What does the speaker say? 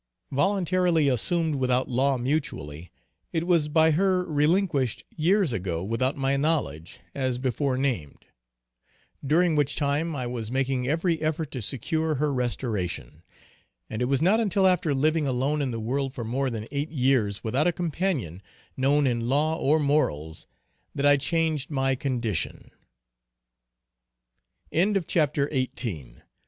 Voluntarily assumed without law mutually, it was by her relinquished years ago without my knowledge, as before named; during which time I was making every effort to secure her restoration. And it was not until after living alone in the world for more than eight years without a companion known in law or morals, that I changed my condition. CHAPTER XIX. _Comments on S.